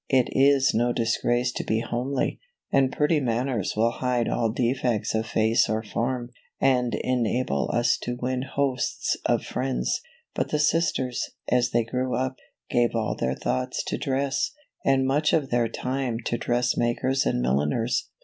It is no disgrace to be homely; and pretty manners will hide all defects of face or form, and enable us to win hosts of friends. But the sisters, as they grew up, gave all their thoughts to dress, and much of their time to dress makers and milliners.